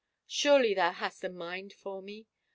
Surely thou hast a mind for me?